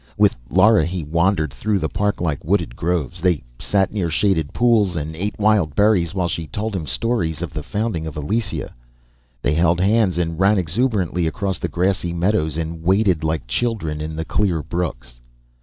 With Lara he wandered through the parklike wooded groves. They sat near shaded pools and ate wild berries while she told him stories of the founding of Elysia. They held hands and ran exuberantly across the grassy meadows, and waded like children in the clear brooks.